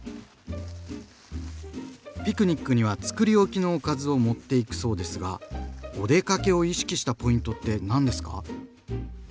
ピクニックにはつくりおきのおかずを持っていくそうですがお出かけを意識したポイントって何ですか？